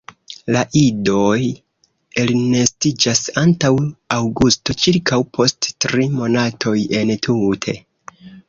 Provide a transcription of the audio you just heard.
La idoj elnestiĝas antaŭ aŭgusto ĉirkaŭ post tri monatoj entute.